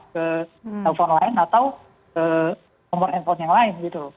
ke telepon lain atau ke nomor handphone yang lain gitu